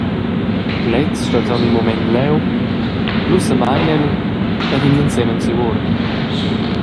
Lez stat aunc in mument leu, lu semeina el e rimna ensemen siu uorden.